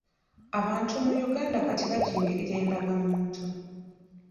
Abantu mu Uganda kati bajingirira endagamuntu.